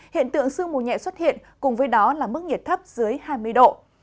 hiện tượng sương mù nhẹ xuất hiện cùng với đó là mức nhiệt thấp dưới hai mươi độ